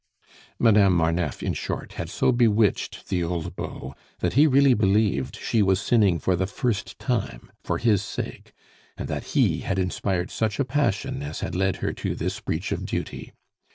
Madame Marneffe, in short, had so bewitched the old beau, that he really believed she was sinning for the first time for his sake, and that he had inspired such a passion as had led her to this breach of duty.